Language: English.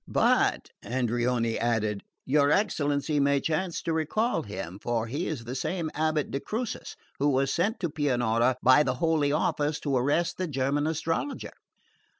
"But," Andreoni added, "your excellency may chance to recall him; for he is the same abate de Crucis who was sent to Pianura by the Holy Office to arrest the German astrologer."